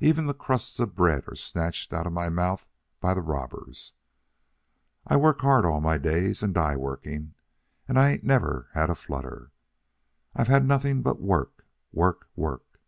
Even the crusts of bread are snatched out of my mouth by the robbers. I work hard all my days, and die working. And I ain't never had a flutter. I've had nothing but work, work, work.